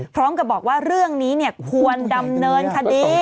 พร้อมกับบอกว่าเรื่องนี้ควรดำเนินคดี